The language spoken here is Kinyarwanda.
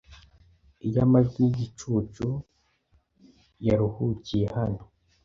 Iyo amajwi y'igicucu yaruhukiye hano